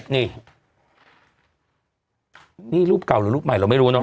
นี่นี่รูปเก่าหรือรูปใหม่เราไม่รู้เนอ